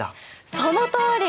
そのとおり！